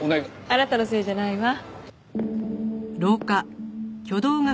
あなたのせいじゃないわ。